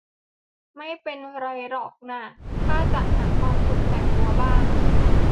ไม่เป็นไรหรอกน่าถ้าจะหาความสุขใส่ตัวบ้าง